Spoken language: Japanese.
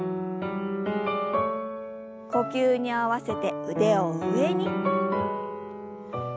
呼吸に合わせて腕を上に。